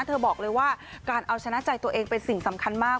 บอกเลยว่าการเอาชนะใจตัวเองเป็นสิ่งสำคัญมาก